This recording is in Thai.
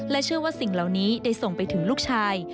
เชื่อว่าสิ่งเหล่านี้ได้ส่งไปถึงลูกชาย